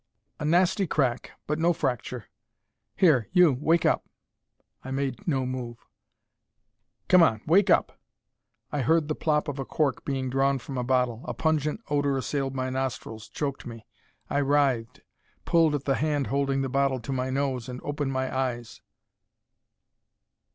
"A nasty crack, but no fracture. Here, you wake up." I made no move. "Come on, wake up!" I heard the plop of a cork being drawn from a bottle; a pungent odor assailed my nostrils, choked me. I writhed, pulled at the hand holding the bottle to my nose and opened my eyes.